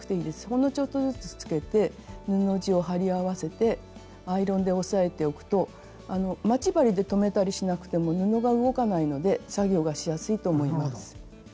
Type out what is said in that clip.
ほんのちょっとずつつけて布地を貼り合わせてアイロンで押さえておくと待ち針で留めたりしなくても布が動かないので作業がしやすいと思います。